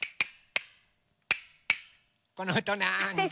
このおとなんだ？